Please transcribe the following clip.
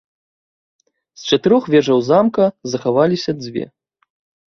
З чатырох вежаў замка захаваліся дзве.